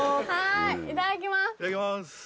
いただきます。